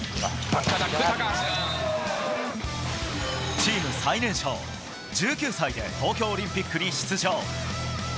チーム最年少１９歳で東京オリンピックに出場。